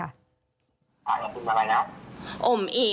อ่ามีพี่เธอมาไงนะโอ้มงี้ค่ะ